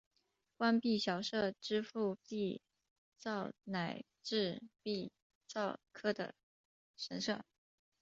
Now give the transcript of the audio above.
官币小社支付币帛乃至币帛料的神社。